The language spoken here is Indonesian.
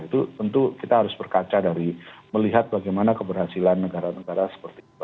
itu tentu kita harus berkaca dari melihat bagaimana keberhasilan negara negara seperti itu